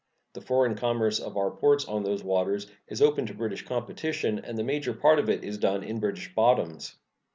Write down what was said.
The foreign commerce of our ports on these waters is open to British competition, and the major part of it is done in British bottoms.